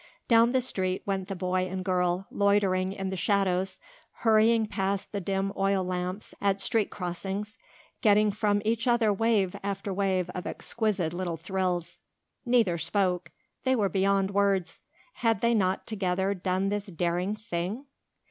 Down the street went the boy and girl, loitering in the shadows, hurrying past the dim oil lamps at street crossings, getting from each other wave after wave of exquisite little thrills. Neither spoke. They were beyond words. Had they not together done this daring thing?